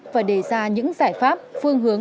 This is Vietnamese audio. và đề ra những giải pháp phương hướng